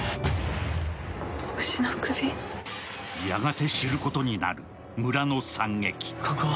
やがて知ることになる村の惨劇。